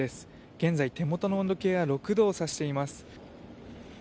現在、手元の温度計は６度を指しています。